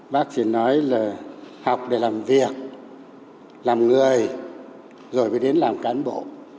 bác chỉ nói là học để làm việc làm người rồi mới đến làm cán bộ